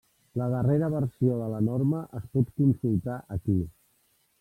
La darrera versió de la norma es pot consultar aquí.